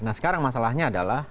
nah sekarang masalahnya adalah